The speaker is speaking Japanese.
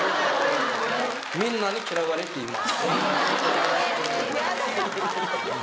みんなに嫌われています。